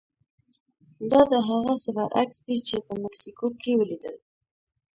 دا د هغه څه برعکس دي چې په مکسیکو کې ولیدل.